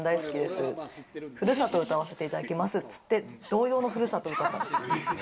さん大好きです、『ふるさと』歌わせていただきますって言って、童謡の『ふるさと』を歌ったんです。